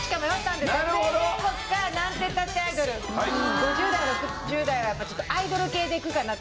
５０代６０代はやっぱりアイドル系でいくかなと。